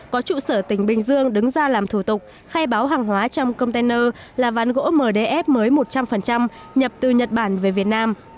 có trụ sở tỉnh bình dương đứng ra làm thủ tục khai báo hàng hóa trong container là ván gỗ mdf mới một trăm linh nhập từ nhật bản về việt nam